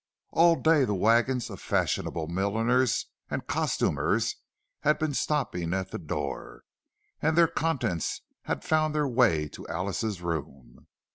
All day the wagons of fashionable milliners and costumiers had been stopping at the door, and their contents had found their way to Alice's room.